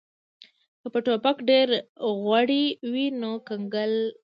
که په ټوپک ډیر غوړي وي نو کنګل کیږي